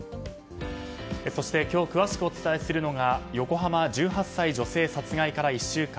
そして今日、詳しくお伝えするのが横浜１８歳女性殺害から１週間。